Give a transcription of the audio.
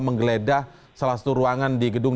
menggeledah salah satu ruangan di gedung